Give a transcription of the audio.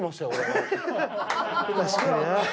確かにな。